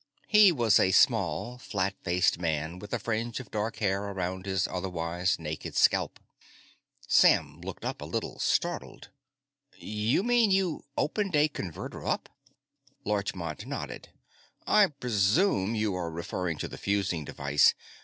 He was a small, flat faced man with a fringe of dark hair around his otherwise naked scalp. Sam looked a little startled. "You mean you opened a Converter up?" Larchmont nodded. "I presume you are referring to the fusing device.